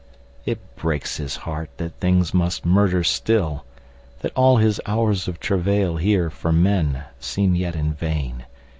It breaks his heart that things must murder still, That all his hours of travail here for menSeem yet in vain.